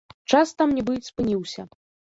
Час там нібы спыніўся.